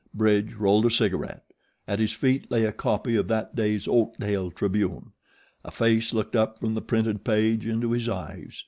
Bridge rolled a cigaret. At his feet lay a copy of that day's Oakdale Tribune. A face looked up from the printed page into his eyes.